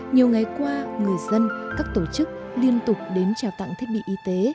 nhiều ngày qua người dân các tổ chức liên tục đến trào tặng thiết bị y tế